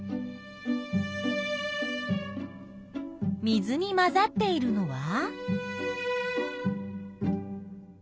水に混ざっているのは？